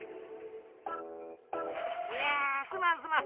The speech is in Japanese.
いやすまんすまん。